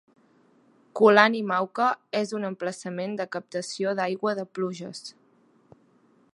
Kulani Mauka és un emplaçament de captació d'aigua de pluges.